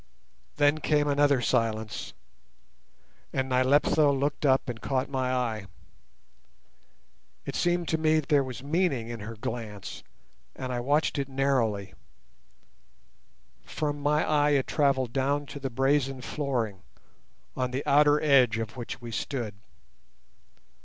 Then came another silence, and Nyleptha looked up and caught my eye; it seemed to me that there was meaning in her glance, and I watched it narrowly. From my eye it travelled down to the brazen flooring, on the outer edge of which we stood.